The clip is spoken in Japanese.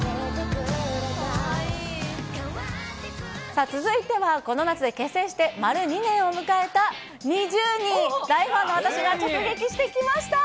さあ、続いては、この夏で結成して丸２年を迎えたＮｉｚｉＵに、大ファンの私が直撃してきました！